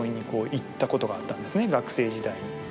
学生時代に。